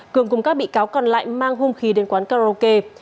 cường cùng các bị cáo còn lại mang hung khí đến quán karaoke